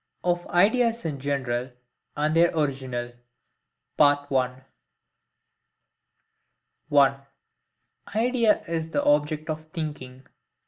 OF IDEAS IN GENERAL, AND THEIR ORIGINAL. 1. Idea is the Object of Thinking.